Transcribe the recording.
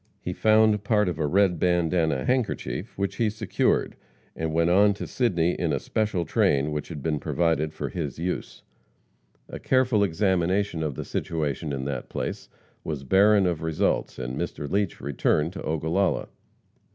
He found part of a red bandana handkerchief, which he secured, and went on to Sidney in a special train which had been provided for his use. A careful examination of the situation in that place was barren of results, and Mr. Leach returned to Ogallala.